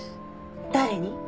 誰に？